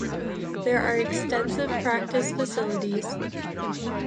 There are extensive practice facilities.